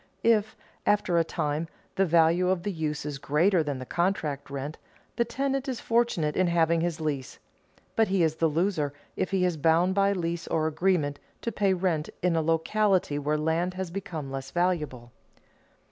If, after a time, the value of the use is greater than the contract rent, the tenant is fortunate in having his lease. But he is the loser if he is bound by lease or agreement to pay rent in a locality where land has become less valuable.